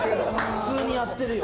普通にやってるよ。